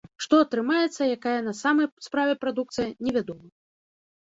Што атрымаецца, якая на самай справе прадукцыя, невядома.